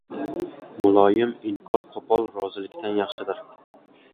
• Muloyim inkor qo‘pol rozilikdan yaxshidir.